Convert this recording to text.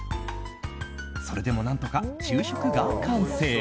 それでも何とか昼食が完成。